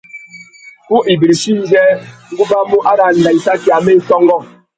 Ku ibirichi indjê, ngu ubamú arandissaki amê i tôngô.